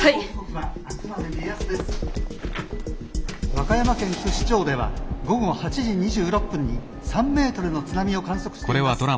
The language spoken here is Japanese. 「和歌山県串町では午後８時２６分に３ｍの津波を観測しています。